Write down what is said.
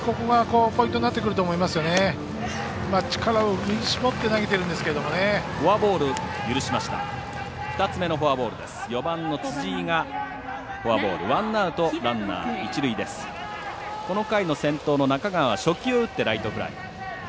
この回の先頭の中川は初球を打ってライトフライ。